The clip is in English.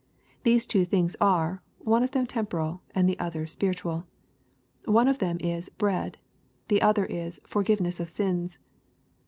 These two things are, one of them temporal, and the other spiritual. One of them is "bread." The other is "forgiveness of sins."